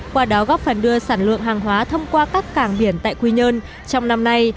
qua đó góp phần đưa sản lượng hàng hóa thông qua các cảng biển tại quy nhơn trong năm nay